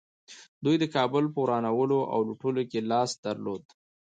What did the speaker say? دوی د کابل په ورانولو او لوټولو کې لاس درلود